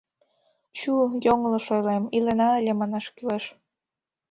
Чу, йоҥылыш ойлем: «илена ыле» манаш кӱлеш.